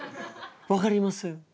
分かります。